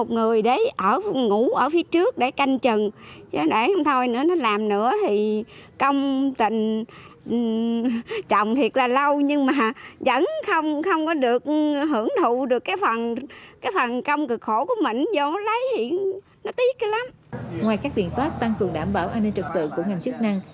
ngoài các viện thoát tăng cường đảm bảo an ninh trực tự của ngành chức năng